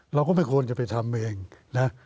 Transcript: เราก็ไม่ควรจะไปทำเองนะ